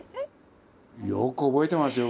よく覚えてますよ